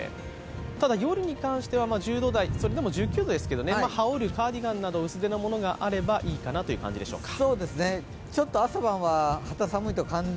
ただ、夜に関しては１０度台、１９度ですけれど羽織るカーディガンなど薄手のものがあればいいかなという感じでしょうか。